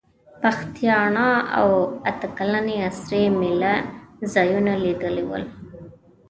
پښتیاڼا او اته کلنې اسرې مېله ځایونه لیدلي ول.